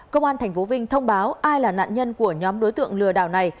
công an tp vinh thông báo ai là nạn nhân của nhóm đối tượng lừa đảo này